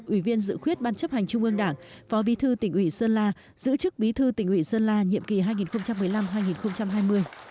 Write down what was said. ủy viên dự khuyết ban chấp hành trung ương đảng phó bí thư tỉnh ủy sơn la giữ chức bí thư tỉnh ủy sơn la nhiệm kỳ hai nghìn một mươi năm hai nghìn hai mươi